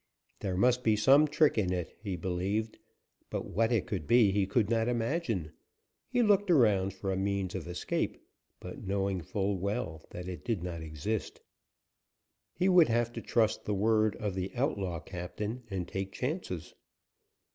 There must be some trick in it, he believed, but what it could be he could not imagine. He looked around for a means of escape, but knowing full well that it did not exist. He would have to trust to the word of the outlaw captain, and take chances.